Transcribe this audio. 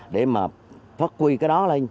để mà phát huy cái đó lên